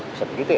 bisa begitu ya